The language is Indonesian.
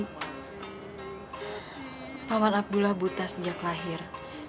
jadi paman abdullah buta sejak lahir